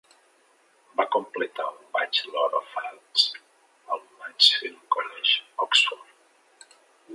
Va completar un Bachelor of Arts al Mansfield College, Oxford.